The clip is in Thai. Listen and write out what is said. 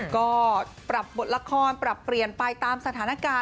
ก็ปรับบทละครปรับเปลี่ยนไปตามสถานการณ์